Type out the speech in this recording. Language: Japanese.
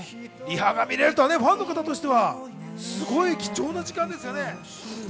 リハが見れるってファンとしてはすごい貴重な時間ですよね。